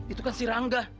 itu kan si rangga